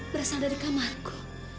berasal dari kamarku